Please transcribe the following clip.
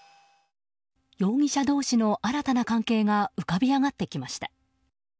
容疑者同士の新たな関係が浮かび上がってきました。